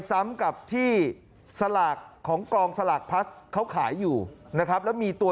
ซ้ำกับที่สลากของกองสลากพลัสเขาขายอยู่นะครับแล้วมีตัว